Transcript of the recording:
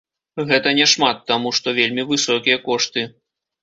Гэта няшмат, таму што вельмі высокія кошты.